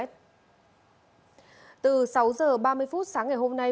từ sáu h ba mươi phút sáng ngày hôm nay